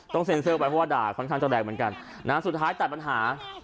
เซ็นเซอร์ไว้เพราะว่าด่าค่อนข้างจะแรงเหมือนกันนะฮะสุดท้ายตัดปัญหา